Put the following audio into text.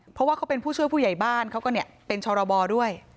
เพราะว่าเขาเป็นผู้ช่วยผู้ใหญ่บ้านเขาก็เป็นชรบด้วย